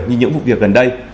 như những vụ việc gần đây